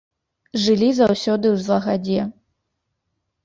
Жылі заўсёды ў злагадзе.